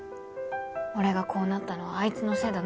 俺がこうなったのはあいつのせいだ